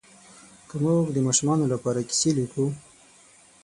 که موږ د ماشومانو لپاره کیسه لیکو